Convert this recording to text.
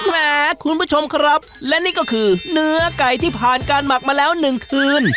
แหมคุณผู้ชมครับและนี่ก็คือเนื้อไก่ที่ผ่านการหมักมาแล้วหนึ่งคืน